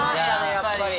やっぱり。